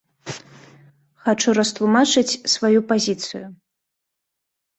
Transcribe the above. Хачу растлумачыць сваю пазіцыю.